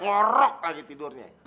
ngorok lagi tidurnya